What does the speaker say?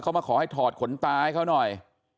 เขามาขอให้ถอดขนตาให้เขาหน่อย